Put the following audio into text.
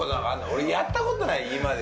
俺やったことない今まで。